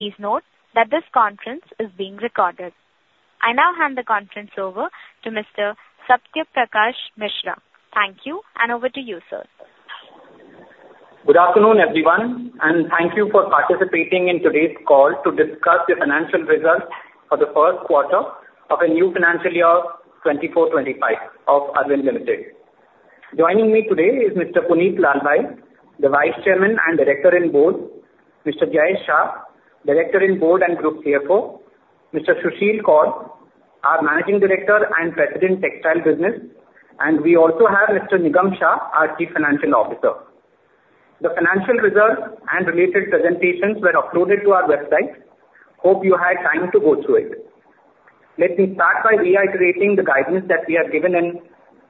Please note that this conference is being recorded. I now hand the conference over to Mr. Satya Prakash Mishra. Thank you, and over to you, sir. Good afternoon, everyone, and thank you for participating in today's call to discuss the financial results for the first quarter of the new financial year 2024-25 of Arvind Limited. Joining me today is Mr. Punit Lalbhai, the Vice Chairman and Director in Board, Mr. Jayesh Shah, Director in Board and Group CFO, Mr. Susheel Kaul, our Managing Director and President, Textile Business, and we also have Mr. Nigam Shah, our Chief Financial Officer. The financial results and related presentations were uploaded to our website. Hope you had time to go through it. Let me start by reiterating the guidance that we have given in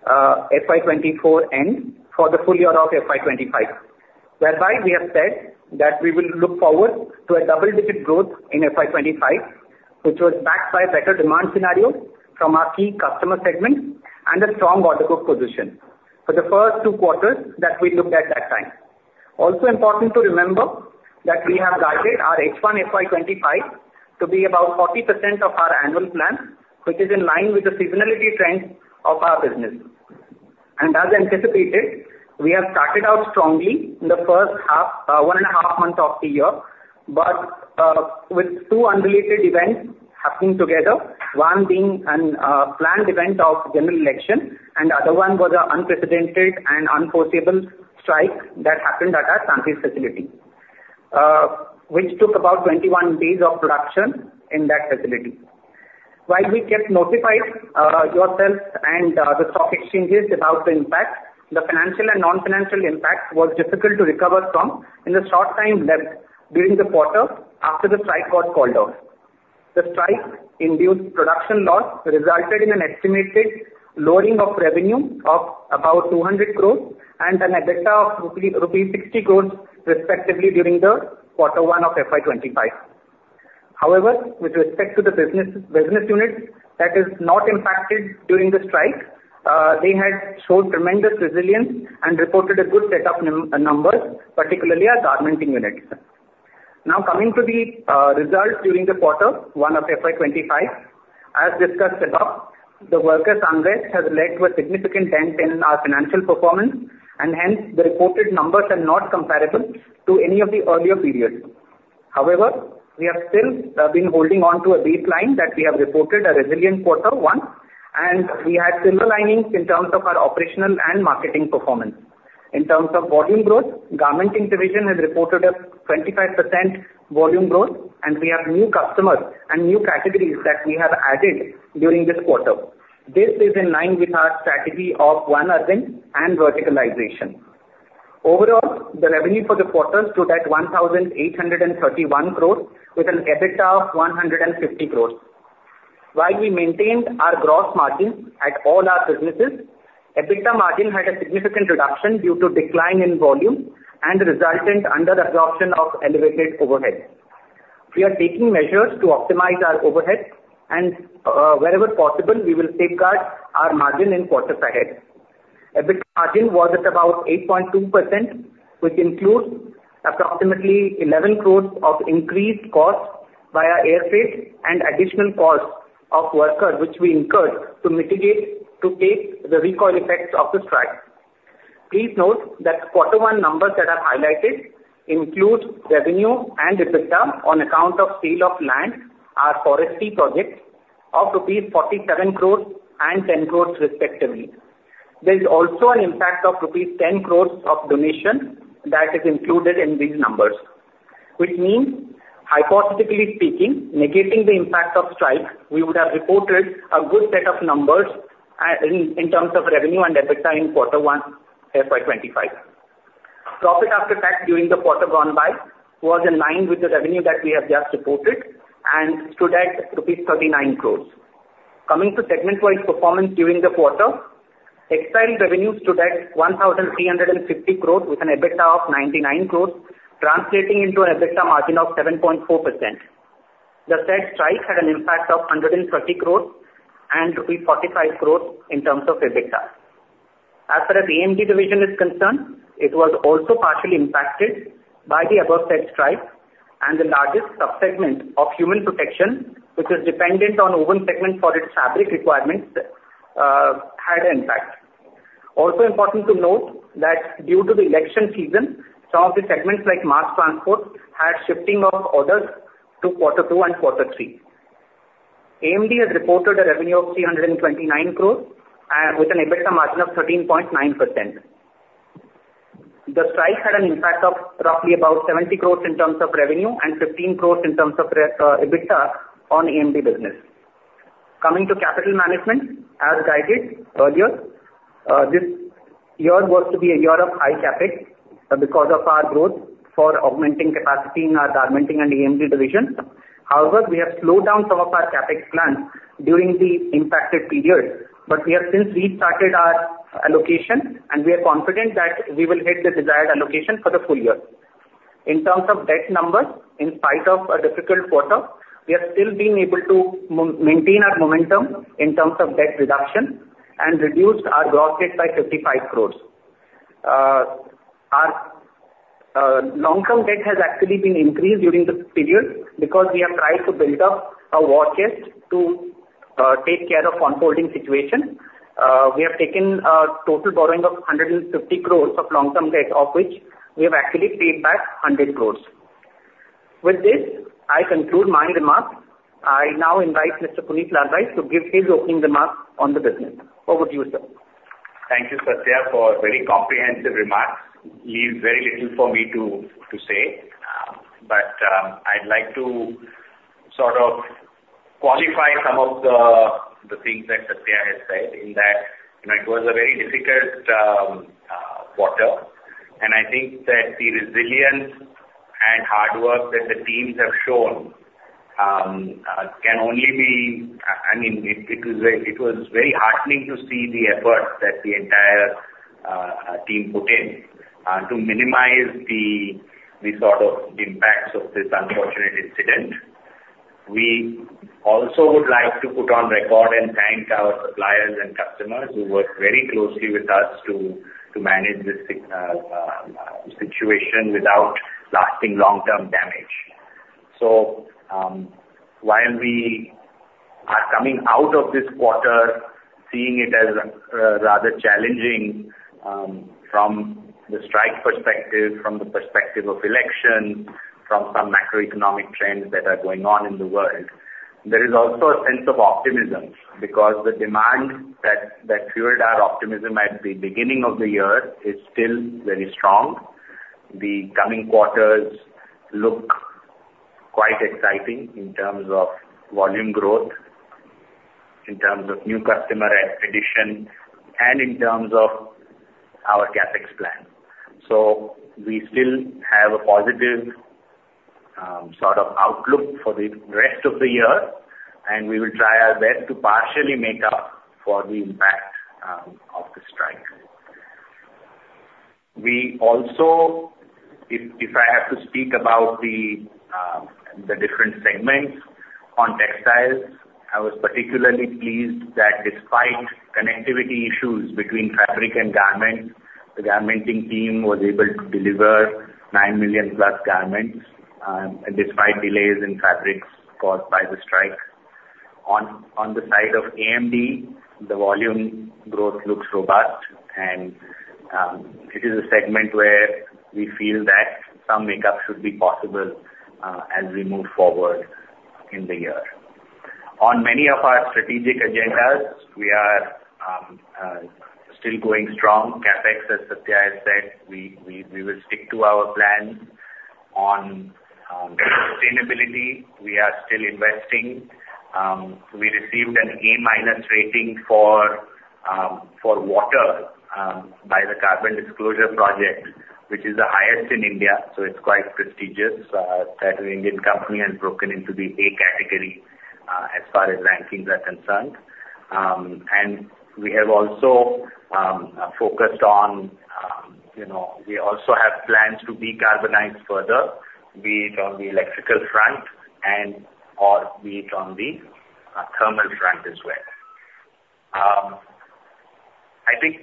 FY 2024 end for the full year of FY 2025, whereby we have said that we will look forward to a double-digit growth in FY 2025, which was backed by better demand scenario from our key customer segments and a strong order book position for the first two quarters that we looked at that time. Also important to remember that we have guided our H1 FY 2025 to be about 40% of our annual plan, which is in line with the seasonality trends of our business. As anticipated, we have started out strongly in the first half, one and a half months of the year, but with two unrelated events happening together, one being a planned event of general election, and the other one was an unprecedented and unforeseeable strike that happened at our Santej facility, which took about 21 days of production in that facility. While we kept notified yourself and the stock exchanges about the impact, the financial and non-financial impact was difficult to recover from in the short time left during the quarter after the strike got called off. The strike induced production loss resulted in an estimated lowering of revenue of about 200 crores and an EBITDA of rupees 60 crores, respectively, during Q1 of FY25. However, with respect to the business, business units that is not impacted during the strike, they had shown tremendous resilience and reported a good set of numbers, particularly our garmenting unit. Now, coming to the results during Q1 of FY 2025. As discussed above, the worker unrest has led to a significant dent in our financial performance, and hence, the reported numbers are not comparable to any of the earlier periods. However, we have still been holding on to a baseline that we have reported a resilient Q1, and we had silver linings in terms of our operational and marketing performance. In terms of volume growth, garmenting division has reported a 25% volume growth, and we have new customers and new categories that we have added during this quarter. This is in line with our strategy of One Arvind and verticalization. Overall, the revenue for the quarter stood at 1,831 crore, with an EBITDA of 150 crore. While we maintained our gross margin at all our businesses, EBITDA margin had a significant reduction due to decline in volume and resultant under absorption of elevated overheads. We are taking measures to optimize our overheads, and, wherever possible, we will safeguard our margin in quarters ahead. EBITDA margin was at about 8.2%, which includes approximately 11 crore of increased costs via air fare and additional cost of workers, which we incurred to mitigate, to take the recoil effects of the strike. Please note that Q1 numbers that are highlighted include revenue and EBITDA on account of sale of land, our forestry projects of rupees 47 crore and 10 crore, respectively. There is also an impact of rupees 10 crore of donation that is included in these numbers, which means, hypothetically speaking, negating the impact of strike, we would have reported a good set of numbers in terms of revenue and EBITDA in Q1, FY 2025. Profit after tax during the quarter gone by was in line with the revenue that we have just reported and stood at 39 crore rupees. Coming to segment-wise performance during the quarter, textile revenues stood at 1,350 crore with an EBITDA of 99 crore, translating into an EBITDA margin of 7.4%. The said strike had an impact of 130 crore and rupees 45 crore in terms of EBITDA. As far as AMD division is concerned, it was also partially impacted by the above said strike and the largest sub-segment of human protection, which is dependent on woven segment for its fabric requirements, had an impact. Also important to note that due to the election season, some of the segments, like mass transport, had shifting of orders to Q2 and Q3. AMD has reported a revenue of 329 crore, and with an EBITDA margin of 13.9%. The strike had an impact of roughly about 70 crore in terms of revenue and 15 crore in terms of EBITDA on AMD business. Coming to capital management, as guided earlier, this year was to be a year of high CapEx because of our growth for augmenting capacity in our garmenting and AMD divisions. However, we have slowed down some of our CapEx plans during the impacted period, but we have since restarted our allocation, and we are confident that we will hit the desired allocation for the full year. In terms of debt numbers, in spite of a difficult quarter, we have still been able to maintain our momentum in terms of debt reduction and reduced our gross debt by 55 crore. Our long-term debt has actually been increased during this period, because we have tried to build up a war chest to take care of unfolding situation. We have taken a total borrowing of 150 crore of long-term debt, of which we have actually paid back 100 crore. With this, I conclude my remarks. I now invite Mr. Punit Lalbhai to give his opening remarks on the business. Over to you, sir. Thank you, Satya, for very comprehensive remarks. Leaves very little for me to say. But, I'd like to sort of qualify some of the things that Satya has said, in that, you know, it was a very difficult quarter. And I think that the resilience and hard work that the teams have shown can only be. I mean, it was very heartening to see the effort that the entire team put in to minimize the sort of impacts of this unfortunate incident. We also would like to put on record and thank our suppliers and customers, who worked very closely with us to manage this situation without lasting long-term damage. So, while we are coming out of this quarter, seeing it as rather challenging, from the strike perspective, from the perspective of election, from some macroeconomic trends that are going on in the world, there is also a sense of optimism, because the demand that, that fueled our optimism at the beginning of the year is still very strong. The coming quarters look quite exciting in terms of volume growth, in terms of new customer acquisition, and in terms of our CapEx plan. So we still have a positive, sort of outlook for the rest of the year, and we will try our best to partially make up for the impact of the strike. We also... If I have to speak about the different segments on textiles, I was particularly pleased that despite connectivity issues between fabric and garments, the garment team was able to deliver 9 million+ garments, despite delays in fabrics caused by the strike. On the side of AMD, the volume growth looks robust, and it is a segment where we feel that some makeup should be possible, as we move forward in the year. On many of our strategic agendas, we are still going strong. CapEx, as Satya has said, we will stick to our plan. On sustainability, we are still investing. We received an A- rating for water by the Carbon Disclosure Project, which is the highest in India, so it's quite prestigious that an Indian company has broken into the A category as far as rankings are concerned. And we have also focused on, you know, we also have plans to decarbonize further, be it on the electrical front and/or be it on the thermal front as well. I think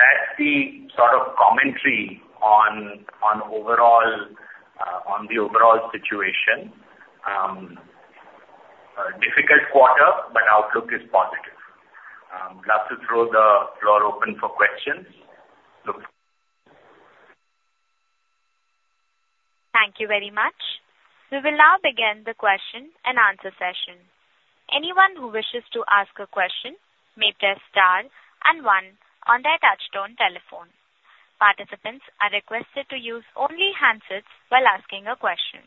that's the sort of commentary on overall on the overall situation. A difficult quarter, but outlook is positive. Love to throw the floor open for questions. Thank you very much. We will now begin the question and answer session. Anyone who wishes to ask a question may press star and one on their touchtone telephone. Participants are requested to use only handsets while asking a question.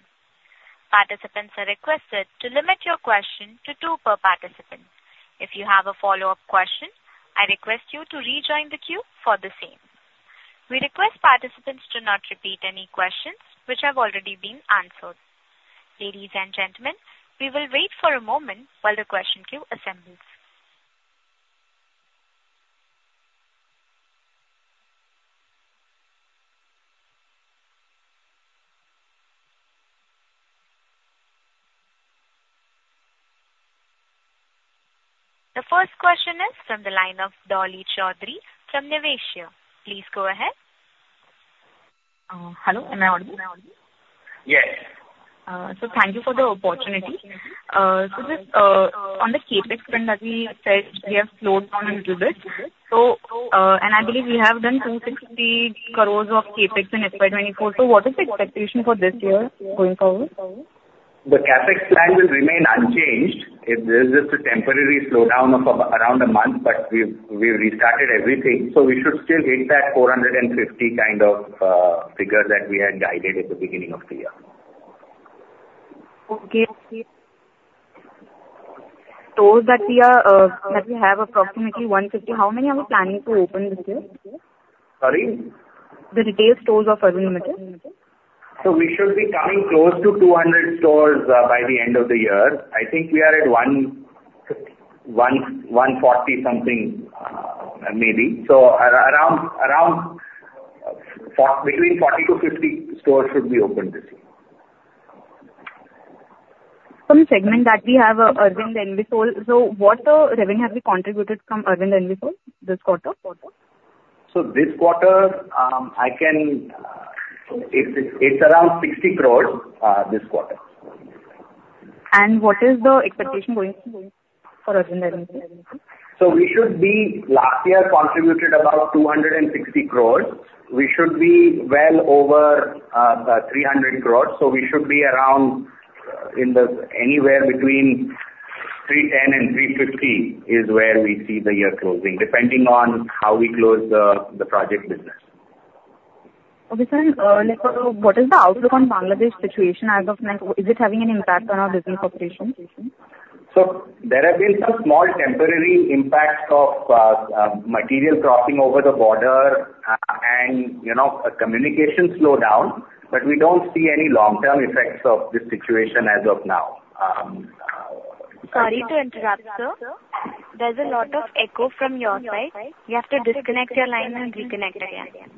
Participants are requested to limit your question to two per participant. If you have a follow-up question, I request you to rejoin the queue for the same. We request participants to not repeat any questions which have already been answered. Ladies and gentlemen, we will wait for a moment while the question queue assembles. The first question is from the line of Dolly Choudhary from Niveshaay. Please go ahead. Hello, am I audible? Yes. Thank you for the opportunity. So just, on the CapEx front, as we said, we have slowed down a little bit. So, and I believe we have done 260 crores of CapEx in FY 2024. So what is the expectation for this year going forward? The CapEx plan will remain unchanged. This is just a temporary slowdown of around a month, but we've restarted everything, so we should still hit that 450 kind of figure that we had guided at the beginning of the year. Okay. Stores that we are, that we have approximately 150, how many are we planning to open this year? Sorry? The retail stores of Unlimited. So we should be coming close to 200 stores by the end of the year. I think we are at 150, 151, 140-something, maybe. So around between 40-50 stores should be opened this year. From the segment that we have, Arvind Envisol. So what revenue have we contributed from Arvind Envisol this quarter? This quarter, it's around 60 crore, this quarter. What is the expectation going forward for Arvind? We should be last year contributed about 260 crore. We should be well over 300 crore. We should be around in the anywhere between 310 crore and 350 crore, is where we see the year closing, depending on how we close the project business. Okay, sir, and, like, what is the outlook on Bangladesh situation as of now? Is it having an impact on our business operations? There have been some small temporary impacts of material crossing over the border, and, you know, communication slow down, but we don't see any long-term effects of this situation as of now. Sorry to interrupt, sir. There's a lot of echo from your side. You have to disconnect your line and reconnect again.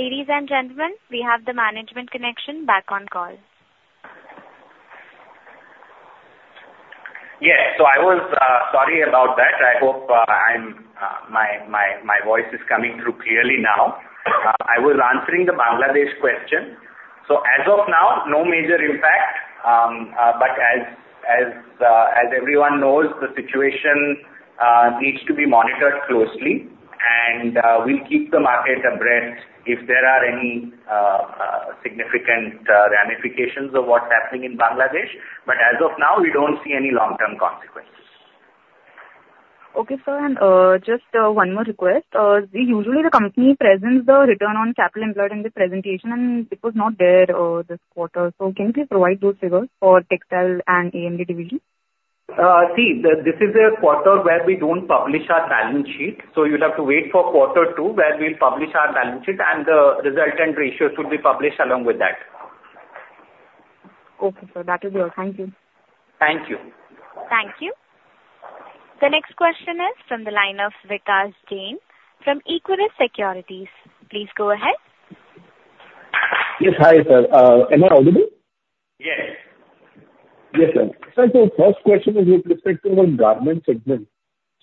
Ladies and gentlemen, we have the management connection back on call. Yes. So I was... Sorry about that. I hope my voice is coming through clearly now. I was answering the Bangladesh question. So as of now, no major impact. But as everyone knows, the situation needs to be monitored closely, and we'll keep the market abreast if there are any significant ramifications of what's happening in Bangladesh. But as of now, we don't see any long-term consequences. Okay, sir, and just one more request. Usually the company presents the Return on Capital Employed in this presentation, and it was not there this quarter. So can you please provide those figures for Textile and AMD Division? See, this is a quarter where we don't publish our balance sheet, so you'll have to wait for Q2, where we'll publish our balance sheet and the resultant ratios should be published along with that. Okay, sir. That is all. Thank you. Thank you. Thank you. The next question is from the line of Vikas Jain from Equirus Securities. Please go ahead. Yes. Hi, sir. Am I audible? Yes. Yes, sir. Sir, so first question is with respect to our garment segment.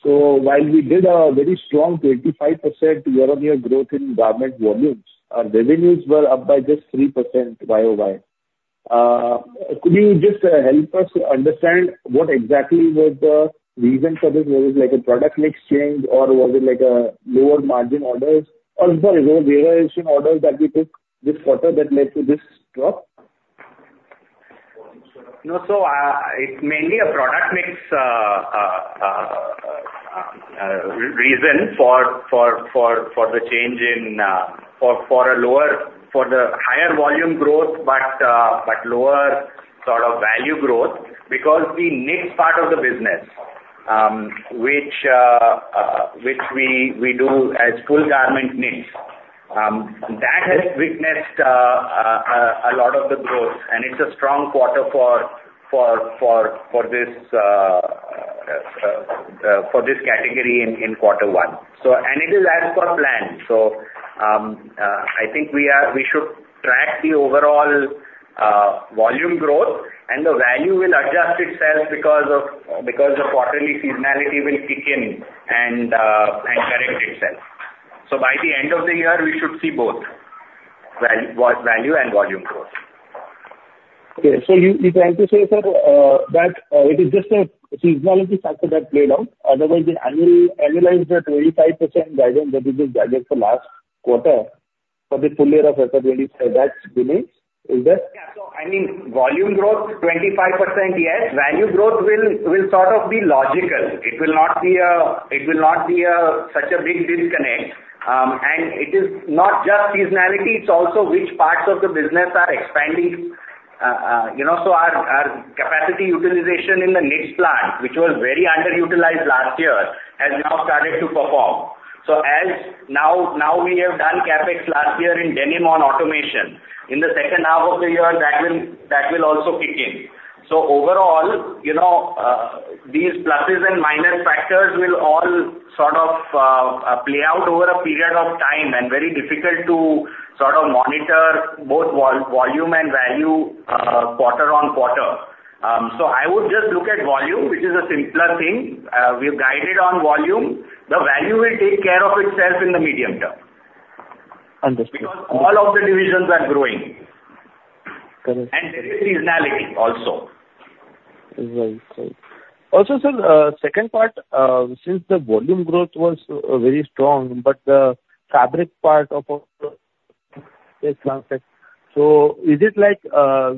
While we did a very strong 85% year-over-year growth in garment volumes, our revenues were up by just 3% YOY. Could you just help us understand what exactly was the reason for this? Was it like a product mix change, or was it like a lower margin orders, or were there variation orders that we took this quarter that led to this drop? No, so it's mainly a product mix reason for the change in for the higher volume growth, but lower sort of value growth, because the knit part of the business, which we do as full garment knits, that has witnessed a lot of the growth, and it's a strong quarter for this category in Q1. So it is as per plan. So, I think we should track the overall volume growth, and the value will adjust itself because the quarterly seasonality will kick in and correct itself. So by the end of the year, we should see both value and volume growth. Okay. So you, you trying to say, sir, that it is just a seasonality factor that played out, otherwise the annually, annualized at 25% guidance, that is the guidance for last quarter, for the full year of that remains, is that- Yeah. So I mean, volume growth, 25%, yes. Value growth will, will sort of be logical. It will not be a, it will not be a, such a big disconnect. And it is not just seasonality, it's also which parts of the business are expanding. You know, so our, our capacity utilization in the knits plant, which was very underutilized last year, has now started to perform. So as... Now, now we have done CapEx last year in denim on automation. In the second half of the year, that will, that will also kick in. So overall, you know, these pluses and minus factors will all sort of play out over a period of time, and very difficult to sort of monitor both volume and value, quarter-on-quarter. I would just look at volume, which is a simpler thing. We've guided on volume. The value will take care of itself in the medium term. Understood. Because all of the divisions are growing. Correct. There is seasonality also. Right. So also, sir, second part, since the volume growth was very strong. Yes, perfect. So is it like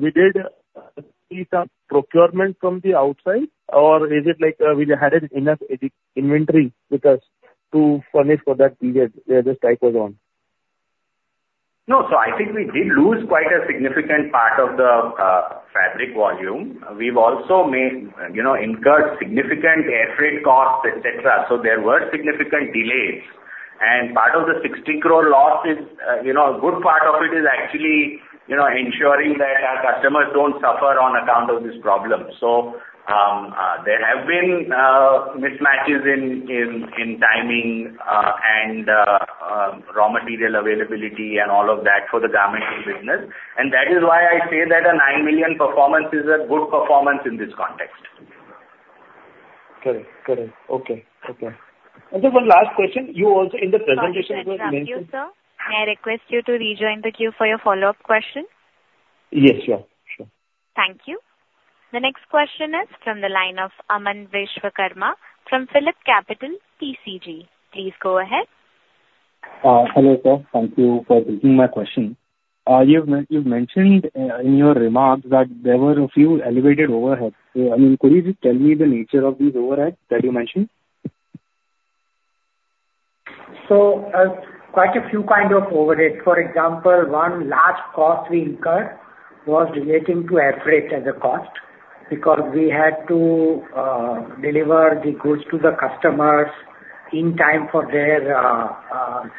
we did see some procurement from the outside, or is it like we had enough inventory with us to furnish for that period where the strike was on? No. So I think we did lose quite a significant part of the fabric volume. We've also made, you know, incurred significant airfreight costs, etc. So there were significant delays, and part of the 60 crore loss is, you know, a good part of it is actually, you know, ensuring that our customers don't suffer on account of this problem. So there have been mismatches in timing and raw material availability and all of that for the garmenting business. And that is why I say that a 9 million performance is a good performance in this context. Correct. Correct. Okay. Okay. And just one last question, you also in the presentation- Sir, thank you, sir. May I request you to rejoin the queue for your follow-up question? Yes, sure. Sure. Thank you. The next question is from the line of Aman Vishwakarma from PhillipCapital PCG. Please go ahead. Hello, sir. Thank you for taking my question. You've mentioned, in your remarks, that there were a few elevated overheads. So, I mean, could you just tell me the nature of these overheads that you mentioned? So, quite a few kind of overheads. For example, one large cost we incurred was relating to air freight as a cost, because we had to deliver the goods to the customers in time for their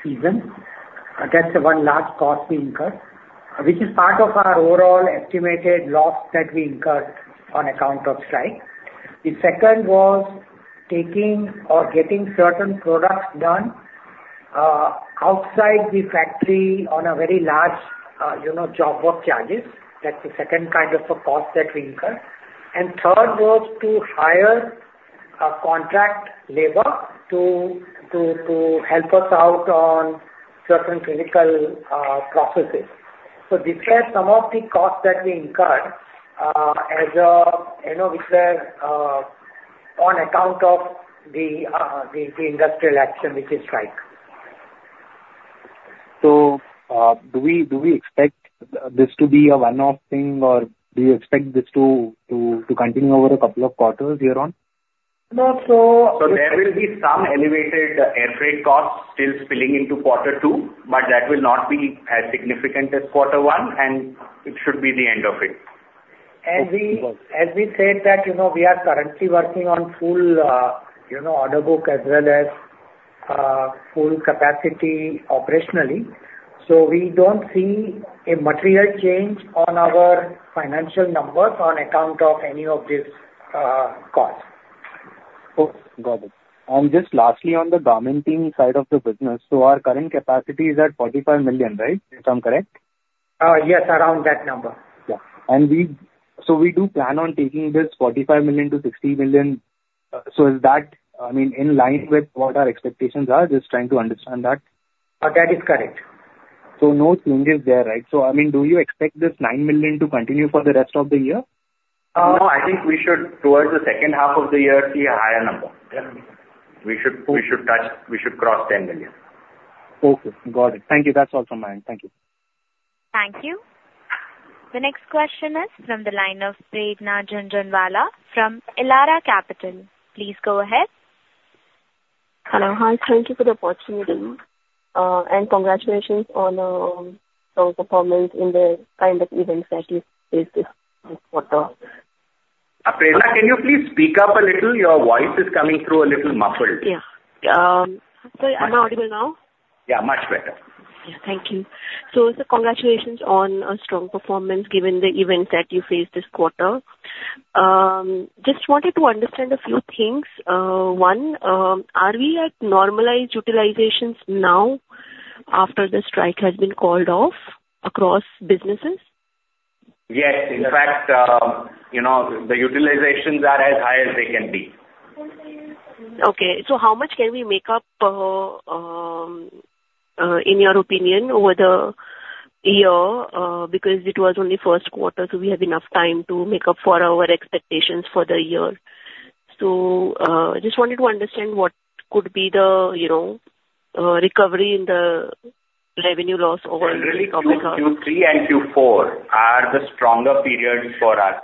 season. That's the one large cost we incurred, which is part of our overall estimated loss that we incurred on account of strike. The second was taking or getting certain products done outside the factory on a very large, you know, job work charges. That's the second kind of a cost that we incurred. And third was to hire a contract labor to help us out on certain clinical processes. So these are some of the costs that we incurred, as you know, which are on account of the industrial action, which is strike. Do we expect this to be a one-off thing, or do you expect this to continue over a couple of quarters here on? No. So- So there will be some elevated air freight costs still spilling into Q2, but that will not be as significant as Q1, and it should be the end of it. We, as we said, that, you know, we are currently working on full, you know, order book as well as, full capacity operationally. So we don't see a material change on our financial numbers on account of any of this, cost. Oh, got it. And just lastly, on the garmenting side of the business, so our current capacity is at 45 million, right? If I'm correct. Yes, around that number. Yeah. And we so we do plan on taking this 45 million–60 million. So is that, I mean, in line with what our expectations are? Just trying to understand that. That is correct. So no change there, right? So, I mean, do you expect this 9 million to continue for the rest of the year? No, I think we should, towards the second half of the year, see a higher number. Yeah. We should touch, we should cross 10 million. Okay, got it. Thank you. That's all from my end. Thank you. Thank you. The next question is from the line of Prerna Jhunjhunwala from Elara Capital. Please go ahead. Hello. Hi, thank you for the opportunity, and congratulations on the performance in the kind of events that you faced this quarter. Prerna, can you please speak up a little? Your voice is coming through a little muffled. Yeah. Sir, am I audible now? Yeah, much better. Yes, thank you. So sir, congratulations on a strong performance, given the events that you faced this quarter. Just wanted to understand a few things. One, are we at normalized utilizations now after the strike has been called off across businesses? Yes. In fact, you know, the utilizations are as high as they can be. Okay. So how much can we make up, in your opinion, over the year? Because it was only first quarter, so we have enough time to make up for our expectations for the year. So, just wanted to understand what could be the, you know, recovery in the revenue loss over- Really, Q3 and Q4 are the stronger periods for us,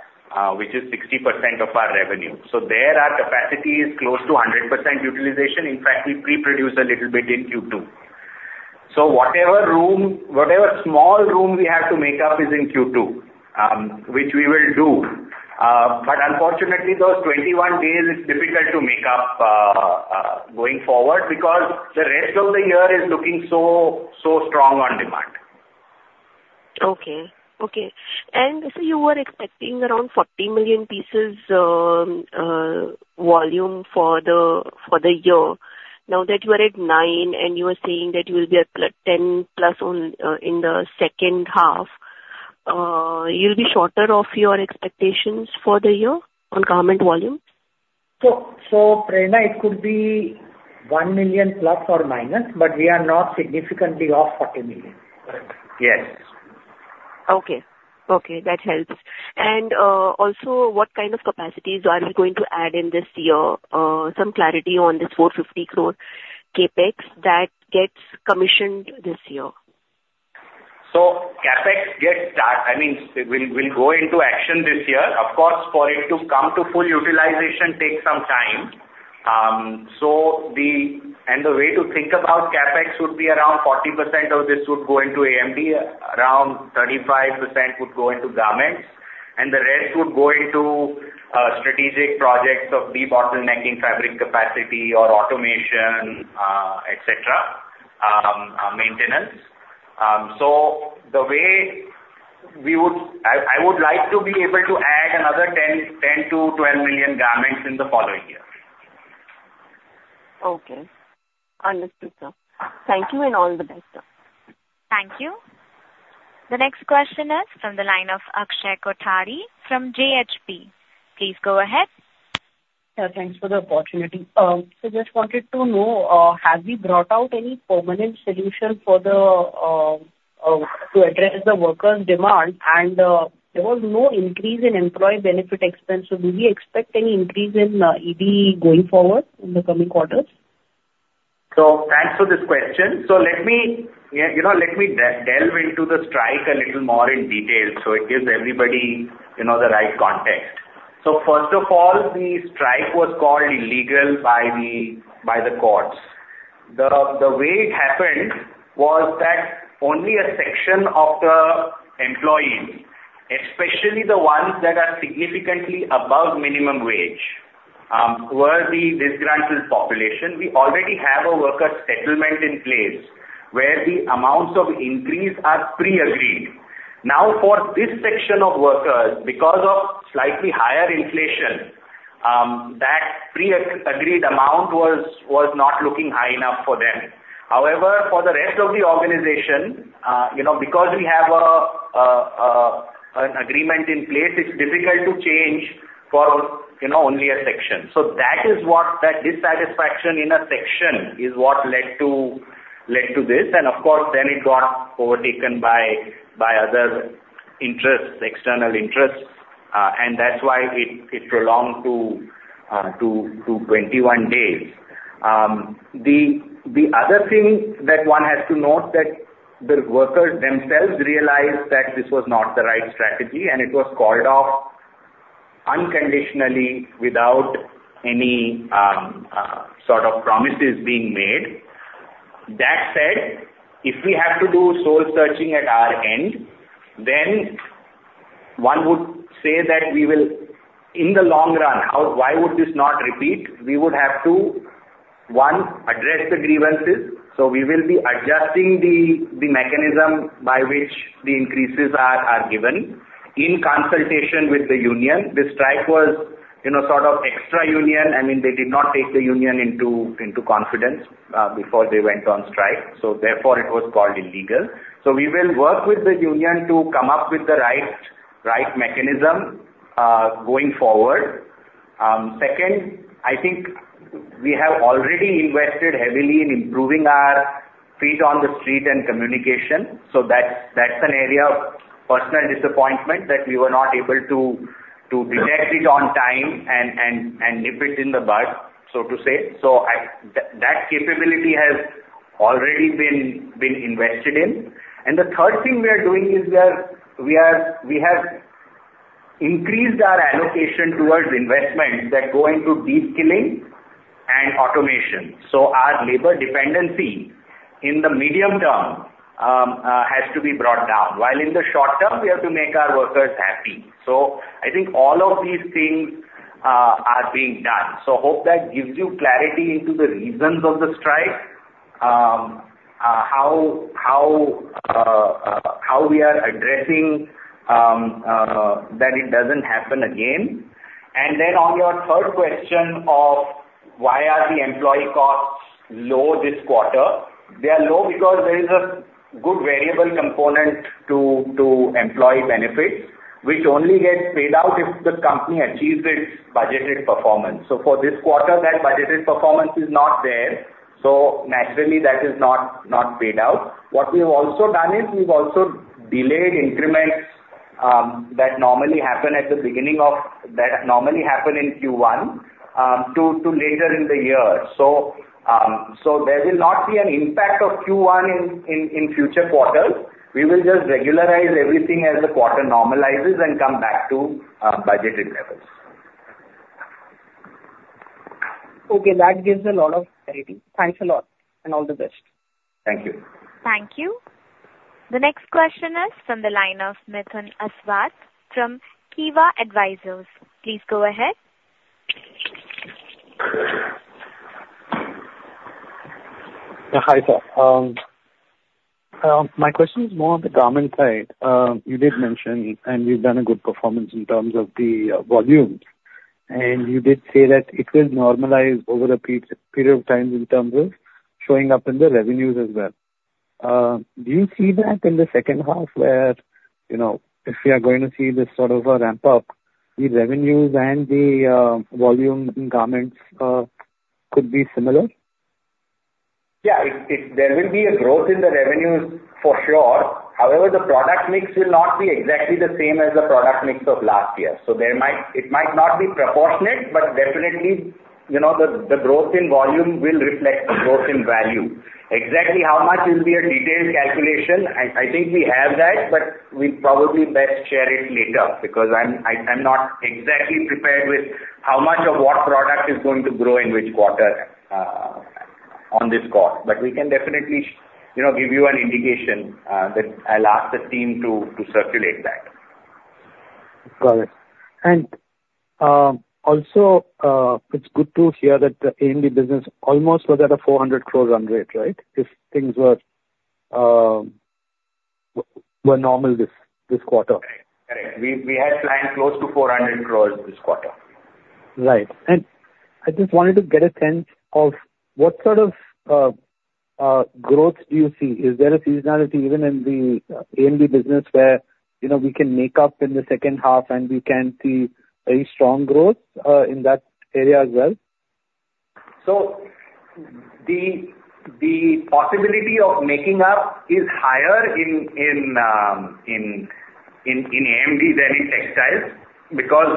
which is 60% of our revenue. So there, our capacity is close to 100% utilization. In fact, we pre-produce a little bit in Q2. So whatever room, whatever small room we have to make up is in Q2, which we will do. But unfortunately, those 21 days, it's difficult to make up going forward because the rest of the year is looking so, so strong on demand. Okay. Okay. And so you were expecting around 40 million pieces volume for the year. Now that you are at 9 and you are saying that you will be at +10, plus on in the second half, you'll be shorter of your expectations for the year on garment volume? Prerna, it could be 1 million ±, but we are not significantly off 40 million. Correct. Yes. Okay. Okay, that helps. And also, what kind of capacities are we going to add in this year? Some clarity on this 450 crore CapEx that gets commissioned this year? So CapEx will go into action this year. Of course, for it to come to full utilization takes some time. And the way to think about CapEx would be around 40% of this would go into AMD, around 35% would go into garments, and the rest would go into strategic projects of de-bottlenecking fabric capacity or automation, etc., maintenance. I would like to be able to add another 10 million–12 million garments in the following year. Okay. Understood, sir. Thank you, and all the best, sir. Thank you. The next question is from the line of Akshay Kothari from JHP. Please go ahead. Yeah, thanks for the opportunity. So just wanted to know, have you brought out any permanent solution for the, to address the workers' demand? And, there was no increase in employee benefit expense, so do we expect any increase in, EBE going forward in the coming quarters? So thanks for this question. So let me, yeah, you know, let me delve into the strike a little more in detail, so it gives everybody, you know, the right context. So first of all, the strike was called illegal by the courts. The way it happened was that only a section of the employees, especially the ones that are significantly above minimum wage, were the disgruntled population. We already have a worker settlement in place, where the amounts of increase are pre-agreed. Now, for this section of workers, because of slightly higher inflation, that pre-agreed amount was not looking high enough for them. However, for the rest of the organization, you know, because we have an agreement in place, it's difficult to change for, you know, only a section. So that is what, that dissatisfaction in a section is what led to, led to this, and of course, then it got overtaken by other interests, external interests, and that's why it prolonged to 21 days. The other thing that one has to note that the workers themselves realized that this was not the right strategy, and it was called off unconditionally without any sort of promises being made. That said, if we have to do soul searching at our end, then one would say that we will... In the long run, how, why would this not repeat? We would have to, one, address the grievances. So we will be adjusting the mechanism by which the increases are given in consultation with the union. The strike was, you know, sort of extra union. I mean, they did not take the union into confidence before they went on strike, so therefore it was called illegal. So we will work with the union to come up with the right mechanism going forward. Second, I think we have already invested heavily in improving our feet on the street and communication, so that's an area of personal disappointment that we were not able to detect it on time and nip it in the bud, so to say. So that capability has already been invested in. And the third thing we are doing is we have increased our allocation towards investments that go into de-skilling and automation. So our labor dependency in the medium term has to be brought down, while in the short term, we have to make our workers happy. So I think all of these things are being done. So hope that gives you clarity into the reasons of the strike. How we are addressing that it doesn't happen again. And then on your third question of why are the employee costs low this quarter? They are low because there is a good variable component to employee benefits, which only gets paid out if the company achieves its budgeted performance. So for this quarter, that budgeted performance is not there, so naturally that is not paid out. What we've also done is, we've also delayed increments that normally happen in Q1 to later in the year. So, there will not be an impact of Q1 in future quarters. We will just regularize everything as the quarter normalizes and come back to budgeted levels. Okay. That gives a lot of clarity. Thanks a lot, and all the best. Thank you. Thank you. The next question is from the line of Mithun Aswath from Kivah Advisors. Please go ahead. Hi, sir. My question is more on the garment side. You did mention, and you've done a good performance in terms of the volumes, and you did say that it will normalize over a period of time in terms of showing up in the revenues as well. Do you see that in the second half, where, you know, if we are going to see this sort of a ramp up, the revenues and the volume in garments could be similar? Yeah, there will be a growth in the revenues for sure. However, the product mix will not be exactly the same as the product mix of last year. So there might not be proportionate, but definitely, you know, the growth in volume will reflect the growth in value. Exactly how much will be a detailed calculation, I think we have that, but we probably best share it later, because I'm not exactly prepared with how much of what product is going to grow in which quarter on this call. But we can definitely, you know, give you an indication that I'll ask the team to circulate that. Got it. And, also, it's good to hear that the AMD business almost was at a 400 crore run rate, right? If things were normal this quarter. Correct. We had planned close to 400 crore this quarter. Right. And I just wanted to get a sense of what sort of growth do you see? Is there a seasonality even in the AMD business where, you know, we can make up in the second half, and we can see very strong growth in that area as well? So the possibility of making up is higher in AMD than in textiles, because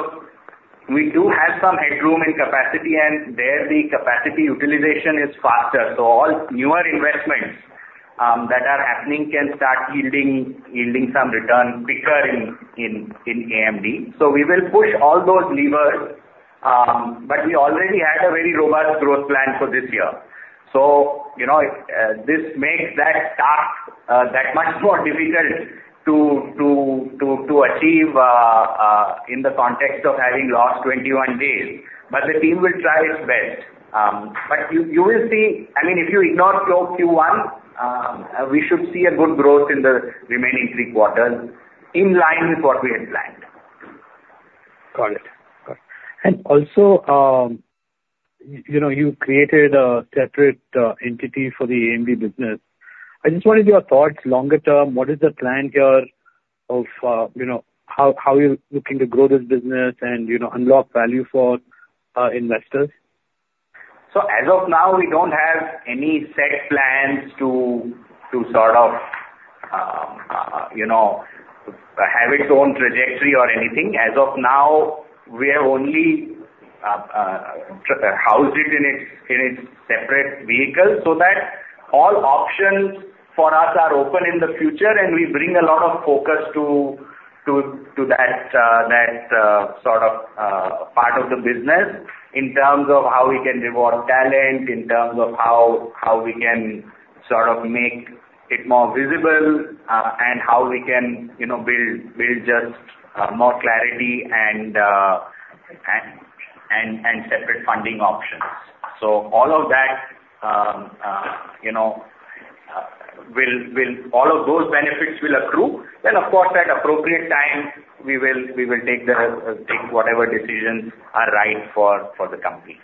we do have some headroom and capacity, and there the capacity utilization is faster. So all newer investments that are happening can start yielding some return quicker in AMD. So we will push all those levers, but we already had a very robust growth plan for this year. So, you know, this makes that task that much more difficult to achieve in the context of having lost 21 days. But the team will try its best. But you will see, I mean, if you ignore slow Q1, we should see a good growth in the remaining three quarters, in line with what we had planned. Got it. Got it. And also, you know, you created a separate entity for the AMD business. I just wanted your thoughts longer term, what is the plan here of, you know, how you're looking to grow this business and, you know, unlock value for investors? So as of now, we don't have any set plans to sort of, you know, have its own trajectory or anything. As of now, we have only housed it in its separate vehicle, so that all options for us are open in the future, and we bring a lot of focus to that sort of part of the business, in terms of how we can reward talent, in terms of how we can sort of make it more visible, and how we can, you know, build just more clarity and separate funding options. So all of that, you know, all of those benefits will accrue, then, of course, at appropriate time, we will take whatever decisions are right for the company.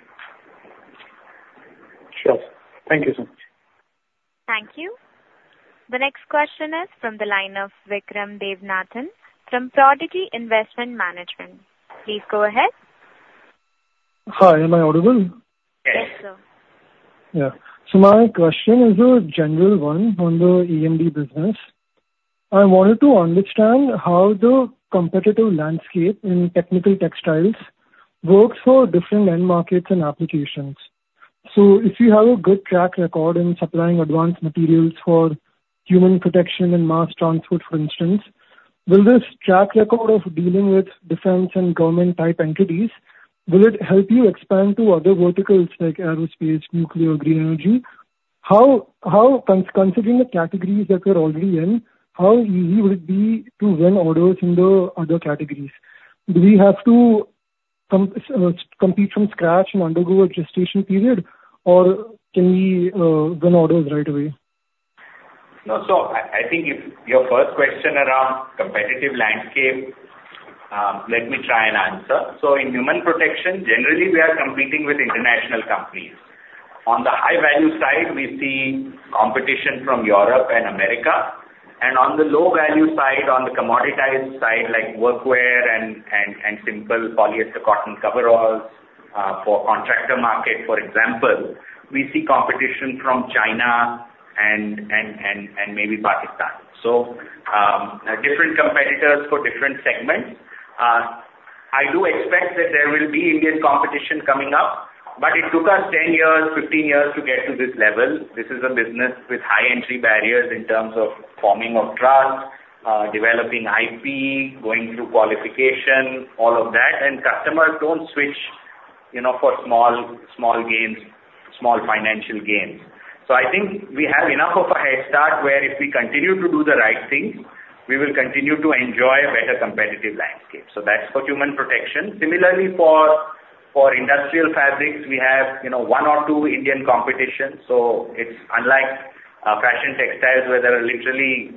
Sure. Thank you so much. Thank you. The next question is from the line of Vikram Devanathan from Prodigy Investment Management. Please go ahead. Hi, am I audible? Yes, sir. Yeah. So my question is a general one on the AMD business. I wanted to understand how the competitive landscape in technical textiles works for different end markets and applications. So if you have a good track record in supplying advanced materials for human protection and mass transport, for instance, will this track record of dealing with defense and government type entities, will it help you expand to other verticals like aerospace, nuclear, green energy? How considering the categories that you're already in, how easy would it be to win orders in the other categories? Do we have to compete from scratch and undergo a gestation period, or can we win orders right away? No. So I think if your first question around competitive landscape, let me try and answer. So in human protection, generally, we are competing with international companies. On the high value side, we see competition from Europe and America, and on the low value side, on the commoditized side, like work wear and simple polyester cotton coveralls, for contractor market, for example, we see competition from China and maybe Pakistan. So, different competitors for different segments. I do expect that there will be Indian competition coming up, but it took us 10 years, 15 years to get to this level. This is a business with high entry barriers in terms of forming of trust, developing IP, going through qualification, all of that. And customers don't switch, you know, for small, small gains, small financial gains. So I think we have enough of a head start, where if we continue to do the right things, we will continue to enjoy a better competitive landscape. So that's for human protection. Similarly, for industrial fabrics, we have, you know, one or two Indian competition. So it's unlike fashion textiles, where there are literally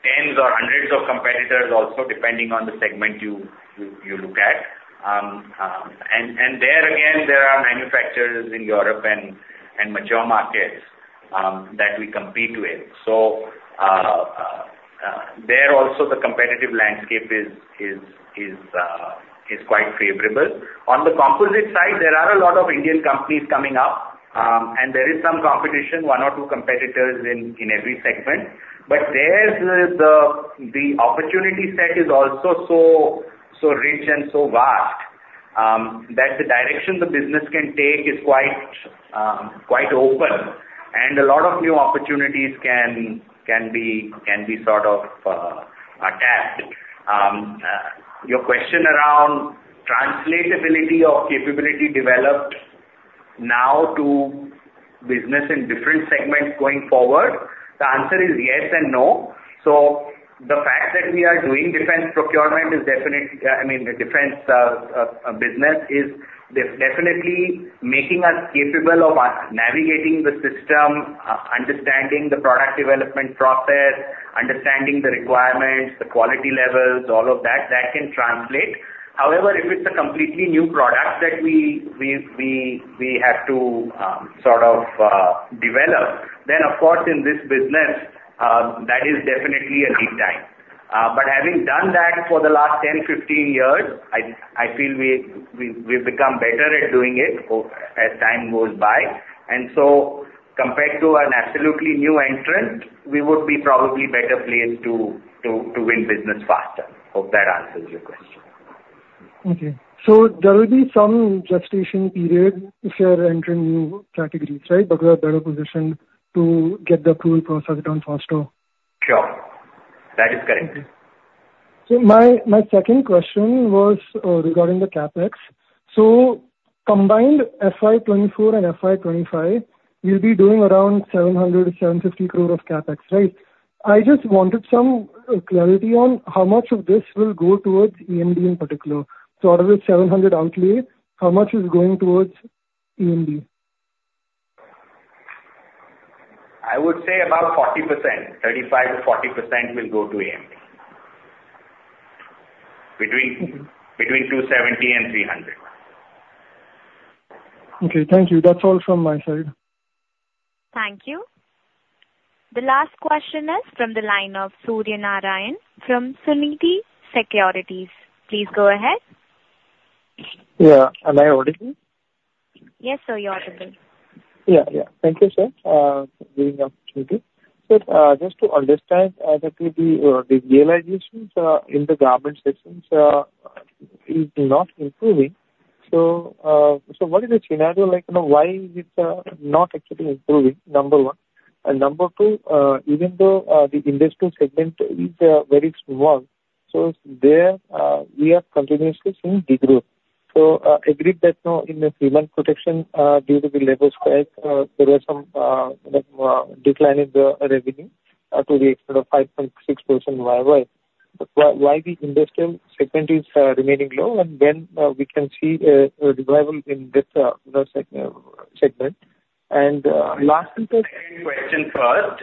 tens or hundreds of competitors, also depending on the segment you look at. And there again, there are manufacturers in Europe and mature markets that we compete with. So there also the competitive landscape is quite favorable. On the composite side, there are a lot of Indian companies coming up, and there is some competition, one or two competitors in every segment. But there, the opportunity set is also so rich and so vast, that the direction the business can take is quite open, and a lot of new opportunities can be sort of attacked. Your question around translatability of capability developed now to business in different segments going forward, the answer is yes and no. So the fact that we are doing defense procurement is definitely, I mean, the defense business is definitely making us capable of navigating the system, understanding the product development process, understanding the requirements, the quality levels, all of that, that can translate. However, if it's a completely new product that we have to sort of develop, then of course, in this business, that is definitely a lead time. But having done that for the last 10, 15 years, I feel we've become better at doing it as time goes by. And so compared to an absolutely new entrant, we would be probably better placed to win business faster. Hope that answers your question. Okay. So there will be some gestation period if you are entering new categories, right? But you are better positioned to get the approval process done faster. Sure. That is correct. So my, my second question was, regarding the CapEx. So combined FY 2024 and FY 2025, you'll be doing around 700-750 crore of CapEx, right? I just wanted some clarity on how much of this will go towards AMD in particular. So out of the 700 crore outlay, how much is going towards AMD? I would say about 40%, 35%-40% will go to AMD. Between 270 and 300. Okay, thank you. That's all from my side. Thank you. The last question is from the line of Surya Narayan from Sunidhi Securities. Please go ahead. Yeah. Am I audible? Yes, sir, you're audible. Yeah, yeah. Thank you, sir, for giving the opportunity. So, just to understand, that will be the realizations in the garment segment is not improving. So, what is the scenario like? You know, why is it not actually improving? Number one. And number two, even though the industrial segment is very small, so there, we are continuously seeing degrowth. So, agreed that, you know, in the human protection, due to the labor strike, there were some decline in the revenue to the extent of 5.6% YOY. But why, why the industrial segment is remaining low, and then, we can see a revival in this the segment? And, last and third- Second question first.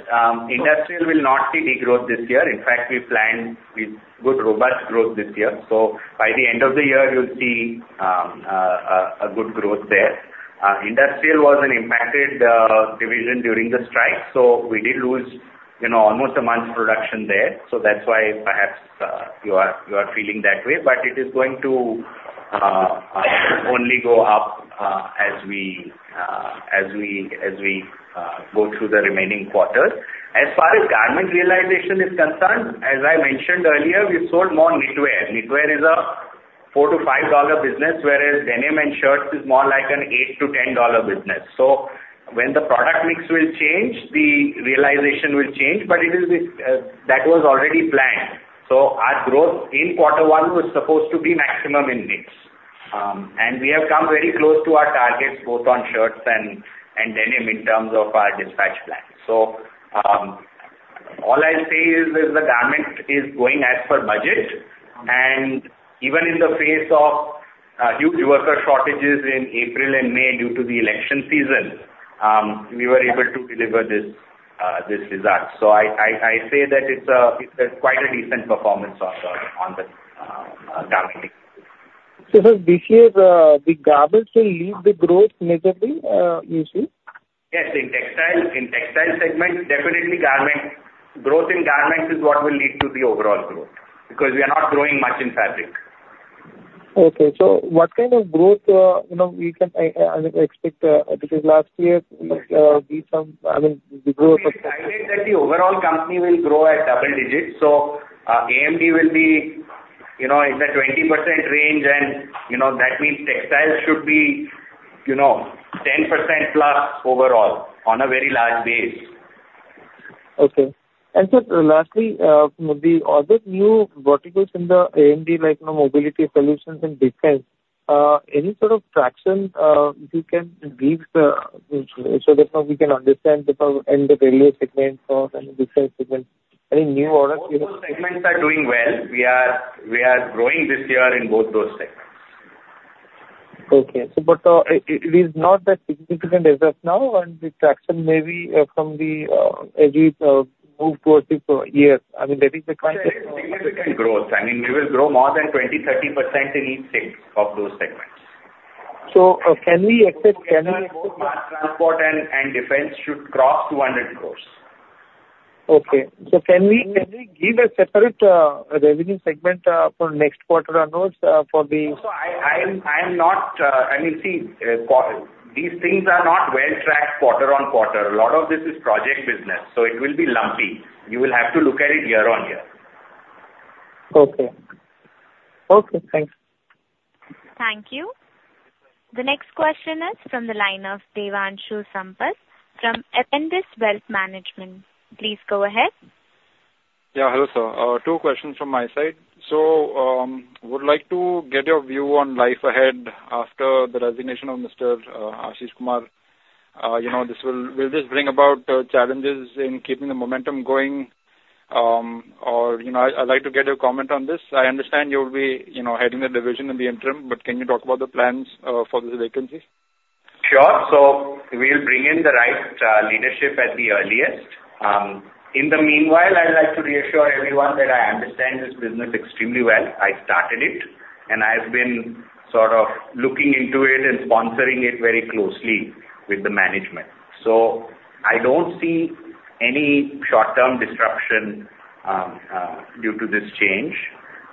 Industrial will not see degrowth this year. In fact, we planned with good, robust growth this year. So by the end of the year, you'll see a good growth there. Industrial was an impacted division during the strike, so we did lose, you know, almost a month's production there. So that's why perhaps you are feeling that way. But it is going to only go up as we go through the remaining quarters. As far as garment realization is concerned, as I mentioned earlier, we sold more knitwear. Knitwear is a $4-$5 business, whereas denim and shirts is more like an $8-$10 business. So when the product mix will change, the realization will change, but it is that was already planned. Our growth in Q1 was supposed to be maximum in knits. We have come very close to our targets, both on shirts and denim in terms of our dispatch plan. All I'll say is the garment is going as per budget, and even in the face of huge worker shortages in April and May due to the election season, we were able to deliver this result. I say that it's quite a decent performance on the garment. This year, the garments will lead the growth miserably, you see? Yes, in textiles. In textile segment, definitely garment. Growth in garments is what will lead to the overall growth, because we are not growing much in fabric. Okay. So what kind of growth, you know, we can I expect, because last year, I mean, we grew- I think that the overall company will grow at double digits, so AMD will be, you know, in the 20% range, and, you know, that means textiles should be, you know, 10%+ overall on a very large base. Okay. Sir, lastly, the other new verticals in the AMD, like, you know, mobility solutions and defense, any sort of traction you can give, so that now we can understand the end-the value segment for the different segment. Any new orders, you know- Both those segments are doing well. We are, we are growing this year in both those segments. Okay. So, but it is not that significant as of now, and the traction may be from the as we move towards the year. I mean, that is the current- Significant growth. I mean, we will grow more than 20%–30% in each segment, of those segments. So, can we expect. Mass transport and defense should cross 200 crore. Okay. So can we give a separate revenue segment for next quarter announce for the- So, I'm not, I mean, see, these things are not well tracked quarter-on-quarter. A lot of this is project business, so it will be lumpy. You will have to look at it year-on-year. Okay. Okay, thanks. Thank you. The next question is from the line of Devanshu Sampat from Endowus Wealth Management. Please go ahead. Yeah, hello, sir. Two questions from my side. So, would like to get your view on life ahead after the resignation of Mr. Ashish Kumar. You know, this will... Will this bring about challenges in keeping the momentum going? Or, you know, I'd like to get your comment on this. I understand you'll be, you know, heading the division in the interim, but can you talk about the plans for the vacancy? Sure. So we'll bring in the right leadership at the earliest. In the meanwhile, I'd like to reassure everyone that I understand this business extremely well. I started it, and I've been sort of looking into it and sponsoring it very closely with the management. So I don't see any short-term disruption due to this change.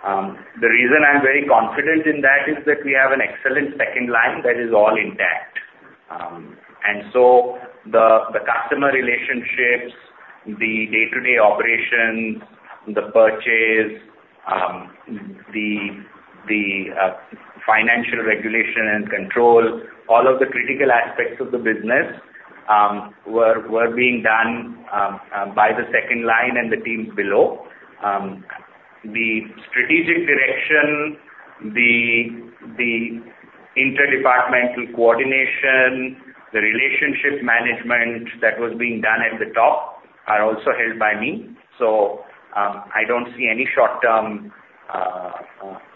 The reason I'm very confident in that is that we have an excellent second line that is all intact. And so the customer relationships, the day-to-day operations, the purchase, the financial regulation and control, all of the critical aspects of the business were being done by the second line and the teams below. The strategic direction, the interdepartmental coordination, the relationship management that was being done at the top are also held by me. So, I don't see any short-term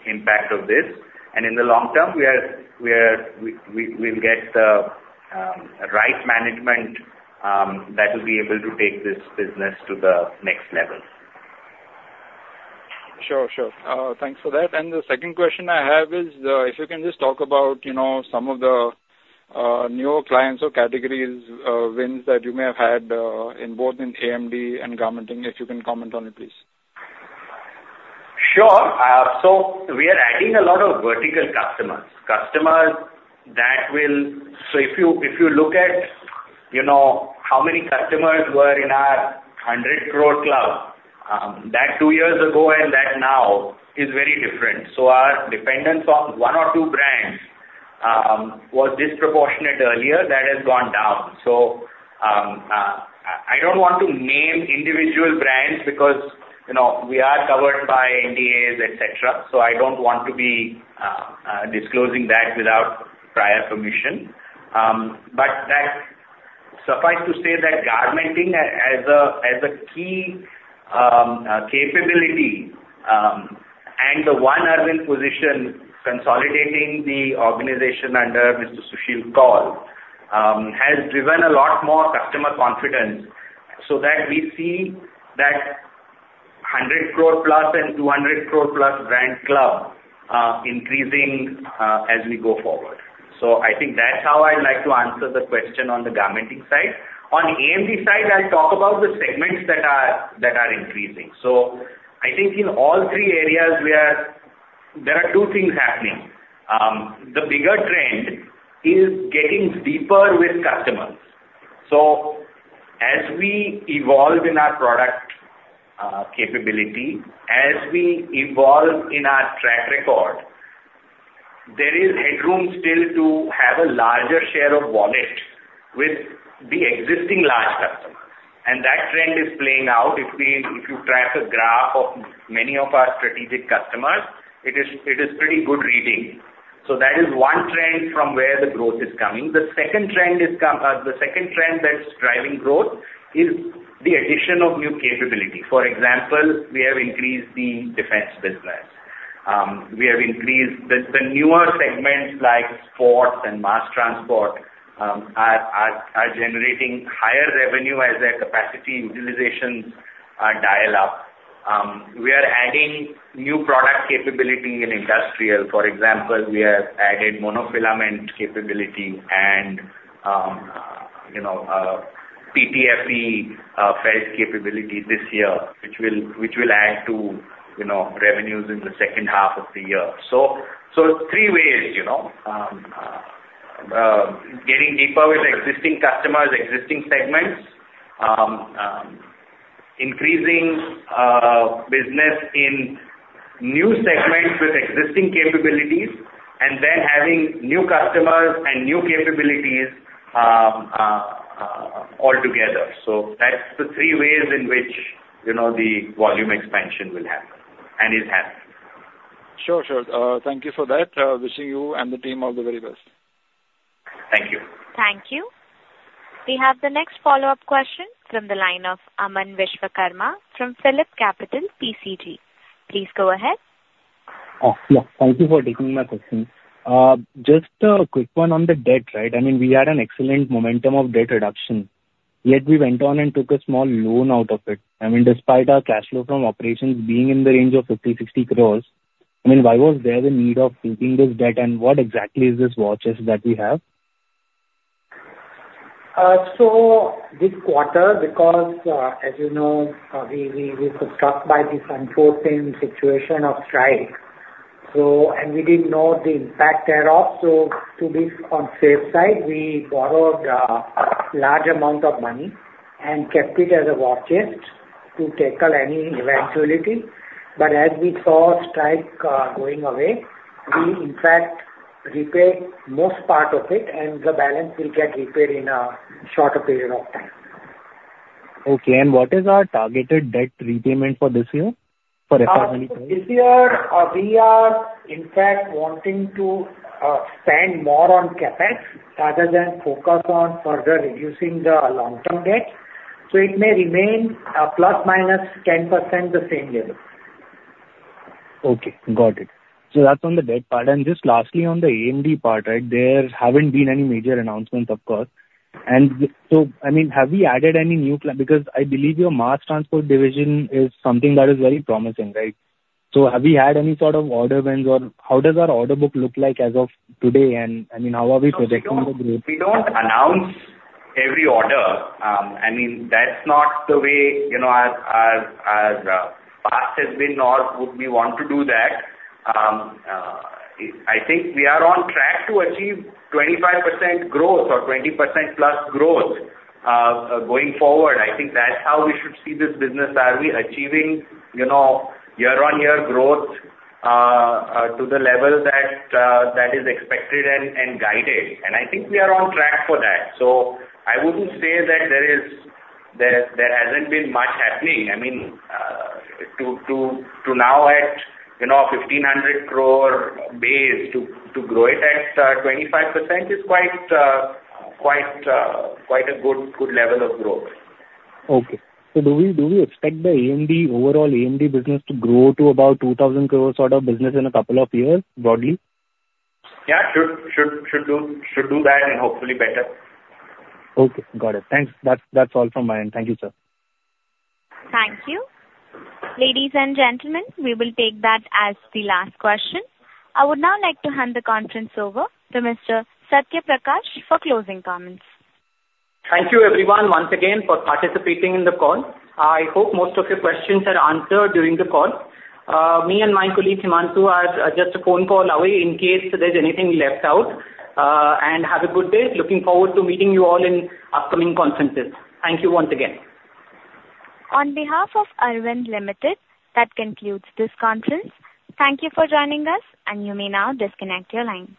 impact of this. In the long term, we'll get the right management that will be able to take this business to the next level. Sure. Sure. Thanks for that. The second question I have is, if you can just talk about, you know, some of the newer clients or categories wins that you may have had in both AMD and garmenting, if you can comment on it, please. Sure. So we are adding a lot of vertical customers. Customers that will... So if you look at, you know, how many customers were in our 100 crore club, that two years ago and that now is very different. So our dependence on one or two brands was disproportionate earlier. That has gone down. So I don't want to name individual brands because, you know, we are covered by NDAs, et cetera. So I don't want to be disclosing that without prior permission. But that suffice to say that garmenting as a key capability and the One Arvind position consolidating the organization under Mr. Susheel Kaul has driven a lot more customer confidence, so that we see that 100 crore plus and 200 crore plus brand club increasing as we go forward. So I think that's how I'd like to answer the question on the garmenting side. On the AMD side, I'll talk about the segments that are increasing. So I think in all three areas, there are two things happening. The bigger trend is getting deeper with customers. So as we evolve in our product capability, as we evolve in our track record, there is headroom still to have a larger share of wallet with the existing large customers, and that trend is playing out. If you track a graph of many of our strategic customers, it is pretty good reading. So that is one trend from where the growth is coming. The second trend that's driving growth is the addition of new capability. For example, we have increased the defense business. We have increased the newer segments like sports and mass transport are generating higher revenue as their capacity utilizations are dialed up. We are adding new product capability in industrial. For example, we have added monofilament capability and, you know, PTFE fab capability this year, which will add to, you know, revenues in the second half of the year. So three ways, you know, getting deeper with existing customers, existing segments, increasing business in new segments with existing capabilities, and then having new customers and new capabilities all together. That's the three ways in which, you know, the volume expansion will happen, and it has. Sure, sure. Thank you for that. Wishing you and the team all the very best. Thank you. Thank you. We have the next follow-up question from the line of Aman Vishwakarma from Philip Capital PCG. Please go ahead. Yeah, thank you for taking my question. Just a quick one on the debt, right? I mean, we had an excellent momentum of debt reduction. Yet we went on and took a small loan out of it. I mean, despite our cash flow from operations being in the range of 50 crore–60 crore, I mean, why was there the need of taking this debt, and what exactly is this watches that we have? So this quarter, because, as you know, we were struck by this unforeseen situation of strike, so and we didn't know the impact thereof. So to be on safe side, we borrowed large amount of money and kept it as a war chest to tackle any eventuality. But as we saw strike going away, we in fact repaid most part of it and the balance will get repaid in a shorter period of time. Okay, and what is our targeted debt repayment for this year, for Arvind? This year, we are in fact wanting to spend more on CapEx rather than focus on further reducing the long-term debt, so it may remain ±10% the same level. Okay, got it. So that's on the debt part. And just lastly, on the AMD part, right? There haven't been any major announcements, of course. And so, I mean, have we added any new client? Because I believe your mass transport division is something that is very promising, right? So have we had any sort of order wins, or how does our order book look like as of today, and, I mean, how are we projecting the growth? We don't announce every order. I mean, that's not the way, you know, our past has been, nor would we want to do that. I think we are on track to achieve 25% growth or 20%+ growth. Going forward, I think that's how we should see this business. Are we achieving, you know, year-on-year growth to the level that that is expected and guided? And I think we are on track for that. So I wouldn't say that there is. There hasn't been much happening. I mean, to now at, you know, 1,500 crore base, to grow it at 25% is quite a good level of growth. Okay. So do we, do we expect the AMD, overall AMD business to grow to about 2,000 crore sort of business in a couple of years, broadly? Yeah, should do that and hopefully better. Okay, got it. Thanks. That's, that's all from my end. Thank you, sir. Thank you. Ladies and gentlemen, we will take that as the last question. I would now like to hand the conference over to Mr. Satya Prakash for closing comments. Thank you, everyone, once again for participating in the call. I hope most of your questions are answered during the call. Me and my colleague, Himansu, are just a phone call away in case there's anything left out. Have a good day. Looking forward to meeting you all in upcoming conferences. Thank you once again. On behalf of Arvind Limited, that concludes this conference. Thank you for joining us, and you may now disconnect your lines.